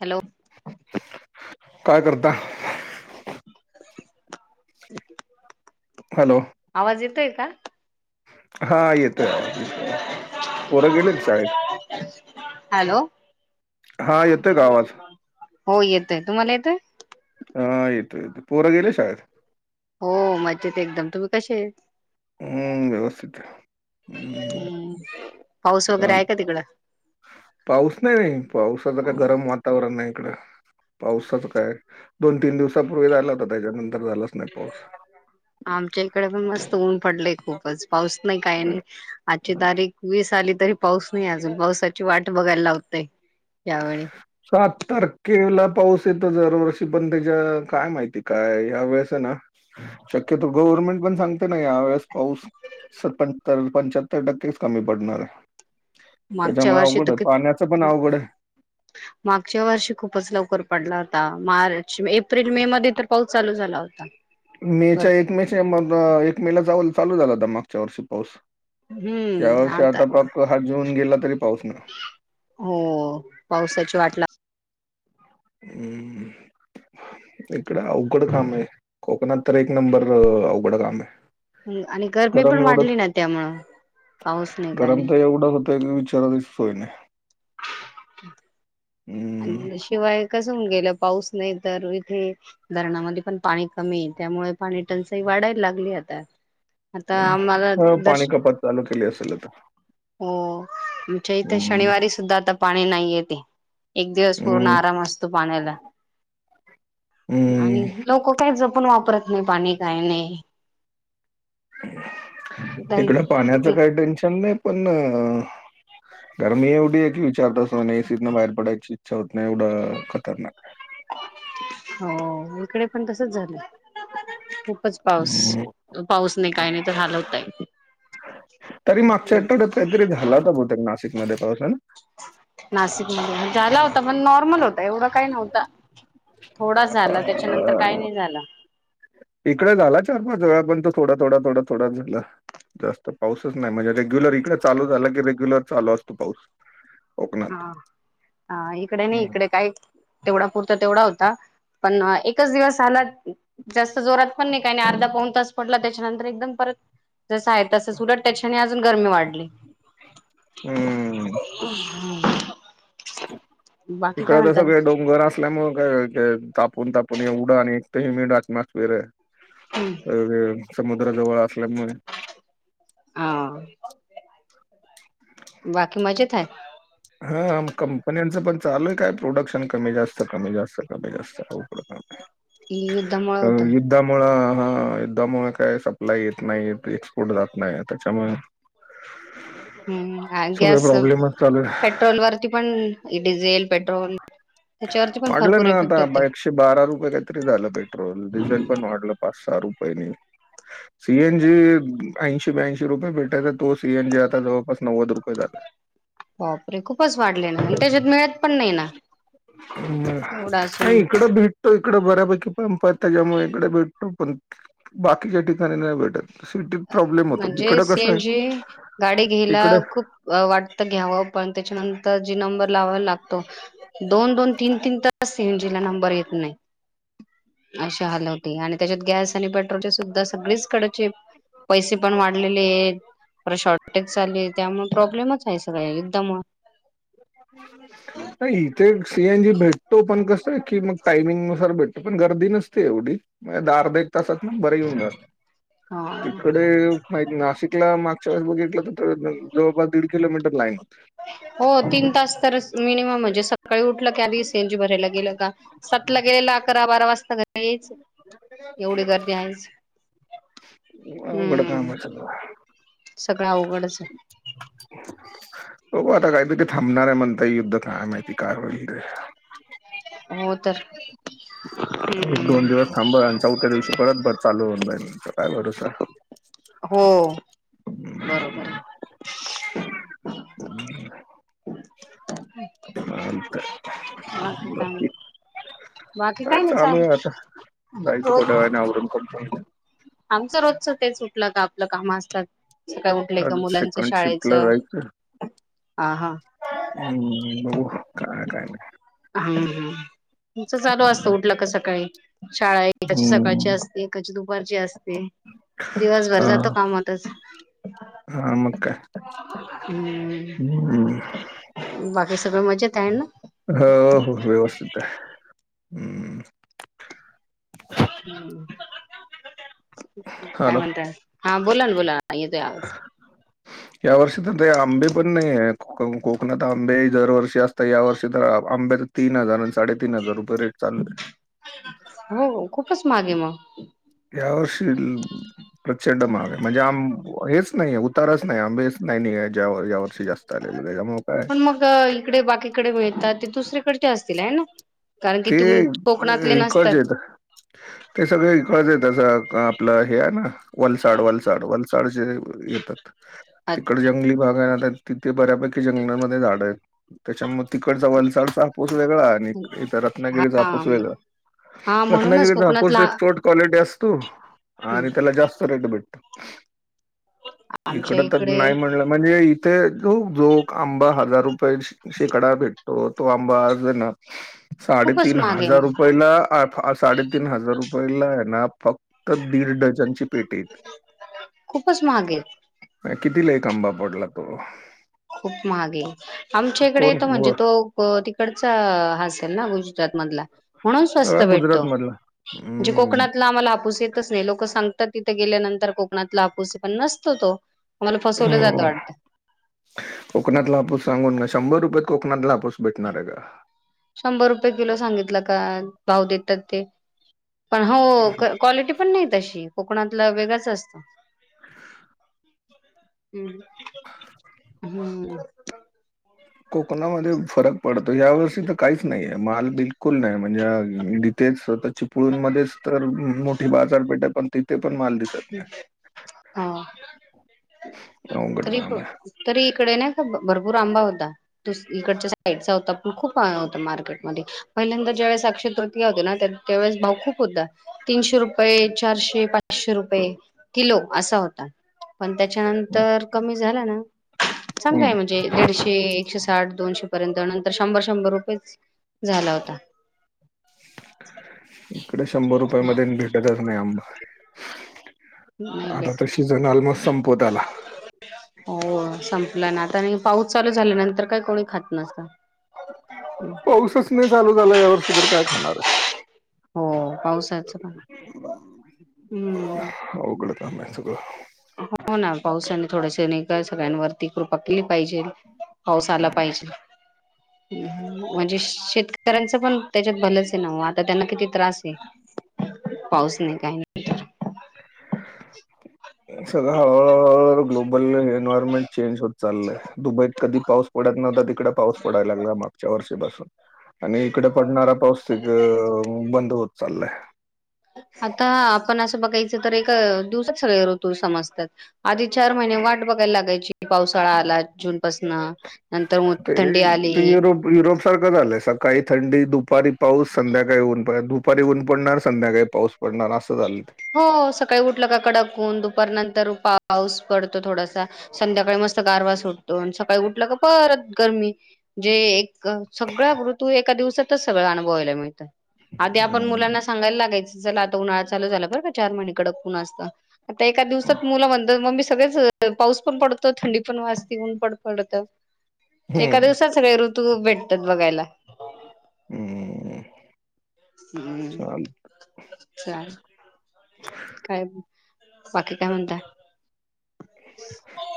Hello! काय करता? Hello आवाज येतोय का? हा येतोय आवाज येतोय आवाज पोरं गेले शाळेत? हॅलो हा येतंय गावाात. हो येतय, तुम्हाला येतोय. हा येत येत पोर गेले शाळेत... हो मज्जेत एकदम, तुम्ही कसे? हम्म व्यवस्थित आहे हम्म. पाऊस वगैरे आहे का तिकडं पाऊस नाही नाही पावसाचं काय गरम वातावरण नाही इकड. पाऊसाच काय दोन तीन दिवसापूर्वी झाला होता त्याच्यानंतर.... झालाच नाही पाऊस आमच्या इकडे पण मस्त ऊन पडलेय खूप.. पाऊस नाही काही नाही आजची तारीख वीस आली तरी... पाऊस नाही अजून पावसाची वाट बघायला लावते. सात तारखेला.... पाऊस येतो दरवर्षी पण त्याच्या काय माहिती काय ह्या वेळेस ना..... शक्यतो गव्हर्नमेंट पण सांगते ना या वेळेस पाऊस स पर पंच्याहत्तर टक्केच कमी पडणार आहे. मागच्या त्याच्यामुळे वर्षी अवघड तर आहे कि पाण्याच पण अवघड आहे. मागच्या वर्षी खूपच लवकर पडला होता मार्च, एप्रिल-मे मध्ये तर पाऊस चालू झाला होता. मेच्या एक भरपूर मेच्या म एक मेला जा चालू झाला होता मागच्या वर्षी पाऊस. त्या हम्म हो आता शतापकक हर जन ग लग. हो पावसाची वाटला हम्म! इकड अवघड काम आहे कोकणात तर एक नंबर अवघड काम आहे. आणि गरमी पण गरम एवढं वाढली ना त्यामुळं... पाऊस नाही काय गरम नाही तर एवढा होत क विचारा दिस सोय नाही. हम्म. आणि शिवाय..... कस होन गेलं पाऊस नाही तर इथे धरणामध्ये पण पाणी कमी त्यामुळे पाणी टचाई वाढली.... काढायला लागली आता. आता आम्हाला ह पाणी दर्श कपात चालू केली असेल तर. हो, म्हणजे इथे शनिवारी सुद्धा आता पाणी नाही येते. एक दिवस पूर्ण हम्म. आराम असतो पाण्याला आणि हम्म. लोक काय जप.... आपण वापरत नाही पाणी काही नाही इकडं पाण्याचं काही टेन्शन नाही पण. गरमी एवढी आहे की विचारता अस नाही एसीतन बाहेर पडायची इच्छा होत नाही एवढं खतरनाक. हो इकडे पण तसच झालं. खूपच पाऊस हम्म. पाऊस नाही काही नाही तर हलवताय. तरी मागच्या आठवड्यात काहीतरी झालं तर ब ते नाशिकमध्येध्ये पावस ना नाशिक मध्ये झाला होता पण नॉर्मल होता एवढा काही नव्हता थोडा झाला त्याच्यानंतर काही अ, नाही झाला इकडे झाला चार पाच वेळा पण तो थोडा थोडा थोडं थोडा झालं जास्त पाऊसच नाही म्हणजे रेग्युलर इकडे चालू झाला की रेग्युलर चालू असतो पाऊस हा कोकणात. आ हा आ इकडे नाही इकडे काय तेवढा पुरता तेवढा होता. पण अ एकच दिवस झाला अ जास्त जोरात पण नाही काही नाही अर्धा पाऊन तास पडला त्याच्यानंतर एकदम परत ह जसं आहे तस वुलट त्याच्याने आजून गरमी वाढली. हं. हम्म इकड जस सगळे डोंगर असल्यामुळे का [unintelligible] ताप ऊनतापणे उडा आणि एक ते हे मिेढाच मास वैगरेअ अ समुद्रा जवळ आत ल्यामुळे हा बाकी मजेत आहे. हा अ कंपन्यांचं पण चालू आहे काय प्रोडक्शन कमी जास्त कमी जास्त कमी जास्त हा कि युद्धामुळे आ होतय युद्धामुळ हा आ युद्धामुळे काय सप्लाय येत नाही एक्सपोर्ट जात नाही त्याच्यामुळे हम्म सगळे गॅस प्रॉब्लेम च चालू आहे. पेट्रोल वरती पण डिझेल, पेट्रोल त्याच्यावरती पण वाढलं भरपूर ना इफेक्ट आता होते एकशे बारा रुपये काहीतरी झालं पेट्रोल डिझेल पण वाढलं पाच सहा रुपये पय ने. सीएन जी ऐंशी ब्याऐंशी रुपये भेटायचा तो सीएन जी आता जवळपास नव्वद रुपये झाला. [unintelligible] बापरे खूपच वाढले ना त्याच्यात मिळत पण नाही ना एवढा नाही असून इकड भेटतो इकडं बऱ्यापैकी पंप आहे त्याच्यामुळे इकडे भेटतो. तोपर्यंत बाकीच्या ठिकाणी नाही भेटत. सिटीत अ प्रॉब्लेम होतो म्हणजे इकडं कसं आहे सीएनजी गाडी घ्यायला इकडे खूप अ वाटत घ्यावं पण ते त्याच्यानंतर जी नंबर लावावा लागतो दोन दोन तीन तीन तास योजना नंबर येत नाही अशे हाल होते आणि त्याच्यात गॅस आणि बंद तरी सुद्धा सगळीच कडचे पैसे पण वाढलेले आहेत परत शॉर्टेज झाले त्यामुळे प्रॉब्लेमच आहे सगळं युद्धामुळ नाही इथे सीएनजी भेटतो पण कस की मग टायमिंग नुसार भेटतो पण गर्दी नसते एवढी आरदा एक तासात ना बरे येऊन जात हा तिकडे माग नाशिकला माग तेवढ्यात बघितलं तर तेवढ्यात जवळ दीड किलोमीटर लाईन होती. हो तीन तास तर मिनिमम म्हणजे सकाळी उठलंकी आधी सी एन जी भरायला गेलं होका सातला गेलेला अकरा बारा वाजता घरी यायचं. एवढी गर्दी आहेच. अवघड हम्म कामात आहे बो सगळं अवघडच आहे. बघू आता काही तिथे थांबणार आहे म्हणताय युद्ध काय माहिती काय होईल रे हो तर एक हम्म. दोन दिवस थांब आणि चौथ्या दिवशी परत भर चालू होऊन जाईल हेंचा काय भरोसा हो बरोबर अच्छा चालतंय हा काय बाकी माहीत काय चालू आहे आता जायचं रोज थोड्यावेळाने आवरून कंपनीत आमचं रोजच ते सुटलं का आपलं काम असतात. सकाळी उठले आज का मुलांच सेकंड शिपला शाळेचं जायचं हा हा हम्म बघू काय काय नाही ह ह तुमच चालू असतं उठलं का सकाळी शाळा एकाची सकाळची हम्म. असते एकाची दुपारची असते दिवसभर हा जातो काम होतच हा मग का हम्म बाकी सगळ मजेत आहे ना हो हो व्यवस्थित आहे हम्म. [unintelligible] काय हॅलो म्हणतय हा बोला ना बोला ना येतोय आवाज. या वर्षी तर ते आंबे पण नाही आहे कोकणात आंबे दरवर्षी असत या वर्षी तर आंब्याचा तीन हजार आणि साडे तीन हजार रुपये रेट चालू आहे. हो खूपच मागे मग या वर्षी प्रचंड माग आहे म्हणजे आम हेच नाही उपकारच नाही आंबेच नाही वर वर पण मग इकडे बाकीकडे मिळतात ते दुसरीकडचे असतील आहे ना. कारण की ते तुम कोकणातले नसतात. रकजेत ते सगळे कळच आहे तसं आपलं हे आहे ना वलसाड वलसाड वलसाड जे येतात तिकड जंगली भागा हाय तिथे बऱ्यापैकी जंगलामध्ये झाड आहेत त्याच्यामुळे तिकडचा वलचाडचा हा पोस वेगळा आणि इतर रत्नागरीचा हा हापूस वगळं. हा म्हणूनच रत्नागिरीचापूरस कोकणातला एक फोर्ट क्वालिटी असतो आणि त्याला जास्त रेट आमच्या इकड तर इकडे नाही म्हणलं म्हणजे ते जोक आंबा हजार रुपये शेकडा भेट त तो आंबा आज हे ना खूपच साडेतीन महाग आहे हजार मग रुपयला साडेतीीन हजार रुपयला आहे ना फक्त दीड डझनची पेट येत खूपच महाग आहे किती ला खांबा पडला तो. खूप महागे आमच्या इकडे कोण येत म्हणजे व- तो तिकडचा हासेल ना गुज त मधला. म्हणून स्वस्त सगळा भेटतो गुजरातमधला. म्हणजे हं, कोकणातला आम्हाला आपूस येतच नाही लोक सांग तात तिथे गेल्यानंतर कोकणातला आपूस पण नसतो तो मला फसवलं जात वाटत. कोकणातलापूस सांगून का शंभर रुपयात कोकणातलापूस भेटणार आहे का. शंभर रुपये किलो सांगितलं का भाव देतात ते पण हो क्वालिटी पण नाही तशी कोकणातला वेगंच असतं. [unintelligible] हम्म हो. कोकणामध्ये फरक पडतो ह्या वर्षी तर काहीच नाहीय माल बिलकुल नाही म्हणजे ईथेच स्वतः चिपळून मध्येच तर मोठी बाजारपेठ आहे पण तिथे पण माल दिसत नाही. हा. अवघड तरी प काम आहे. तरी इकडे ना भरपूर आंबा होता तो इकडच्या साईडचा होता पण खूप होता मार्केट मधे पहिल्यांदा ज्यावेळेस अक्षय तृतीया होती ना त्यावेळेस भाव खूप होता तीनशे रुपये चारशे पाच पाचशे रुपये किलो असा होता पण हं, त्याच्यानंतर कमी झाला ना सांगाय हं. म्हणजे दीडशे एकशे साठ दोनशे नंतर शंभर शंभर रुपये झाला होता. इकडे शंभर रुपया मध्ये भेटतच नाही आंबा नाही आता भेट तर सिझन ऑलमोस्ट संपवत आला. हो संपलं ना आता आणि पाऊस चालू झाल्या नंतर काय कोणी खात नसत पाऊसच नाही चालू झाला या वर्षी तर काय खाणार आहे. हो पावसाचं पण हम्म. अवघड [unintelligible] हो ना पावसाने थोडसे निघा सगळ्यांवरती कृपा केली पाहिजे. पाऊस आला पाहिजे म्हणजे शेतकरी कर्यांच पण त्याच्यात भलंच हे ना हो आता त्यांना किती त्रास आहे पाऊस नाही काय नाही सगळं हळुहळू ग्लोबल ने इन्व्हरमेंट चेंज होत चाललंय दुबईत कधी पाऊस पडत नव्हता तिकडे पाऊस पडायला लागला मागच्या वर्षीपासून आणि इकडे पडणारा पाऊस सगळंऽऽऽ आता आपण असं बघायचं तरऽऽ आधी चार महिने वाट बघायला लागायची पावसाळा आला जुूनऽऽ ते,, तू, आली युरोप युरोप सारखं झालंय सऽऽ काही थंडी दुपारी पाऊस, संध्याकाळी ऊन, दुपारी ऊन पडणार संध्याकाळी पाऊस पडणार असंऽ होऽऽ सकाळी उठलं का कडाकऽऽ ऊन दुपार नंतर पाऊस पडतो थोडासा, संध्याकाळी मस्त गारवा सुटतो, न सकाळी उठलं काऽऽऽ परऽत गरमी, जे,, एक सगळ्या ऋतू एका दिवसातच सगळ अनुभवायला मिळतं. आधी आपण हम्म मुलांना सांगायला लागायऽऽ आता एकाऽऽ सगळेच अ पाऊस पऽऽ एका हम्म दिवसात सगळे ऋतू भेटतात बघायला. हम्म हम्म चाल चालेलऽऽ काय,, बाकी काय म्हणताय.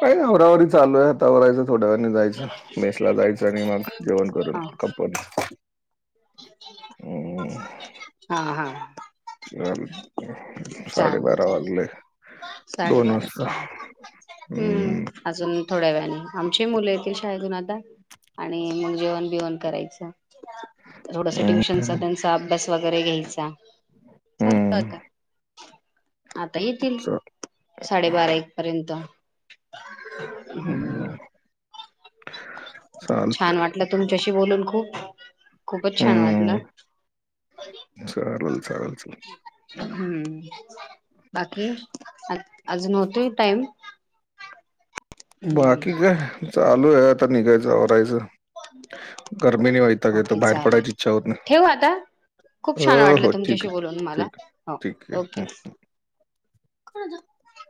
काय नही आवराआवर चालूय आताा आवरायच. थोड्या वेळानी जायचं,, मेसला जायचं आणि मग जेवण करून,, हा कपून. हा हा हम् चालेल साडेबारा चालेल. वाजले दोन साडेबारा वाजता. झाले. हम्म अजून थोड्या वेळाने, आमची मुले येतील शाळेजून आता,, आणि मग जेवण बिवण करायचं. थोडसा ट्युशनचा हम्म त्यांचा अभ्यास वगैरे घ्यायचाऽऽ हम्म आता,, आता येतील चा साडेबारा एक पर्यंत. हम्म छान चालतंय वाटलं तुमच्याशी बोलून खूप. खूपच छान वाटलं. चारल, चारल, हम्म, बाकी,, अजून होतूय टाइम हम्म बाकी काय, चालूय आता, निघायचं, आवरायचं. गरमी ने वैताग ऐतो,, ओके बाहेर चालेल. पडायची इच्छा होत नाही. ठेवू आता खूप अ, छान वाटलं हो ठीक तुमच्याशी आहे. बोलून मला,, ठीक आहे. हो,, ठीक आहे. ओके कोण होतं